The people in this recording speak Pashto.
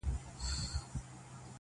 په خندا کي به ناڅاپه په ژړا سي؛